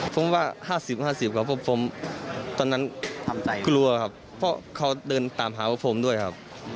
ผมว่า๕๐๕๐ครับเพราะผมตอนนั้นกลัวครับเพราะเขาเดินตามหาพวกผมด้วยครับ